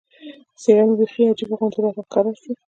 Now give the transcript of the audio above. څېره مې بیخي عجیبه غوندې راته ښکاره شوه.